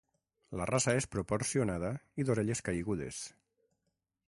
La raça és proporcionada i d'orelles caigudes.